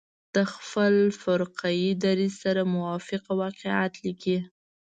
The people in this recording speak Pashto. د خپل فرقه يي دریځ سره موافق واقعات لیکلي.